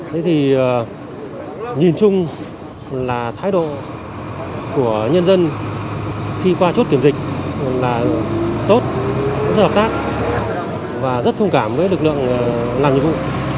thế thì nhìn chung là thái độ của nhân dân khi qua chốt kiểm dịch là tốt rất hợp tác và rất thông cảm với lực lượng làm nhiệm vụ